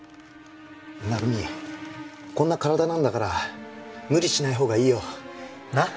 成美こんな体なんだから無理しないほうがいいよ。なあ？